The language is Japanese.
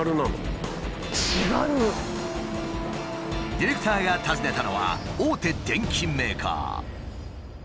ディレクターが訪ねたのは大手電機メーカー。